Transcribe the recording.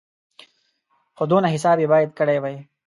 خو دونه حساب یې باید کړی وای.